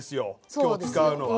今日使うのは。